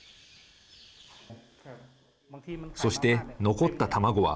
そして、残った卵は。